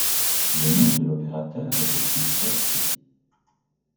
Le nom de l'opérateur est depuis resté.